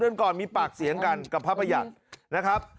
เดือนก่อนมีปากเสียงกันกับพระประหยัดนะครับ